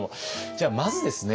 じゃあまずですね